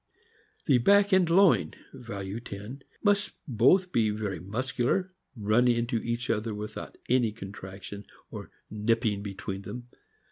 The back and loin (value 10) must both be very muscu lar, running into each other without any contraction or "nipping" between them.